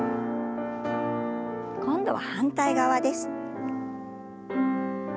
今度は反対側です。